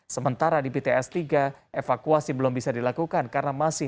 sementara di bts tiga evakuasi belum terjadi